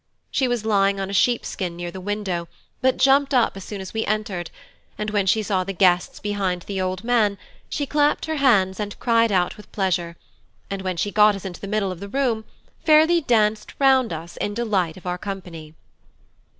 She was lying on a sheep skin near the window, but jumped up as soon as we entered, and when she saw the guests behind the old man, she clapped her hands and cried out with pleasure, and when she got us into the middle of the room, fairly danced round us in delight of our company.